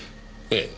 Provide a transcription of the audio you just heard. ええ。